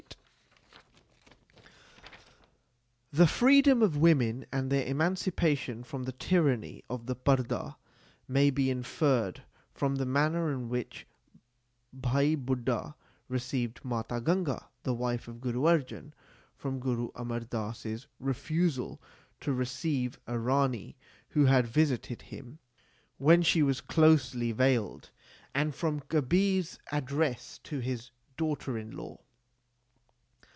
xxii THE SIKH RELIGION The freedom of women and their emancipation from the tyranny of the parda may be inferred from the manner in which Bhai Budha received Mata 1 Ganga the wife of Guru Arjan, from Guru Amar Das s refusal to receive a rani who had visited him when she was closely veiled, and from Kabir s address to his daughter in law.